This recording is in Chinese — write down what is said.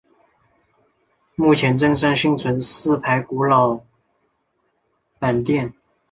目前镇上幸存四排古老板店。